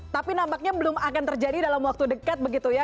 tapi nampaknya belum akan terjadi dalam waktu dekat begitu ya